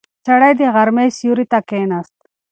سړی د غرمې سیوري ته کیناست.